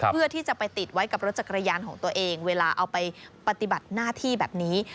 เพื่อที่จะไปติดไว้กับรถจักรยานของตัวเองเวลาเอาไปปฏิบัติหน้าที่แบบนี้